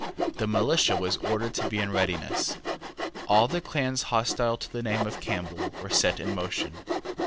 The militia was ordered to be in readiness. All the clans hostile to the name of Campbell were set in motion.